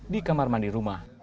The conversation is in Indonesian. di kamar mandi rumah